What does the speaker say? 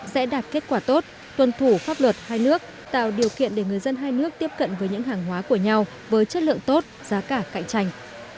sẽ đạt kết quả tốt tuân thủ pháp luật hai nước tạo điều kiện để người dân hai nước tiếp cận với những hàng hóa của nhau với chất lượng tốt giá cả cạnh tranh